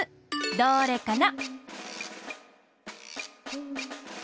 どれかな？